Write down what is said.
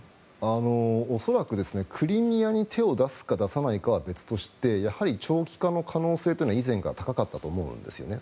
恐らく、クリミアに手を出すか出さないかは別としてやはり長期化の可能性というのは以前から高かったと思うんですね。